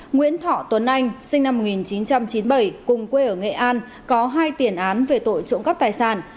nguyễn thọ tuấn anh sinh năm một nghìn chín trăm chín mươi bảy cùng quê ở nghệ an có hai tiền án về tội trộm cắp tài sản